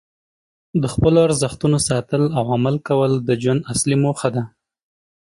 د خپلو ارزښتونو ساتل او عمل کول د ژوند اصلي موخه ده.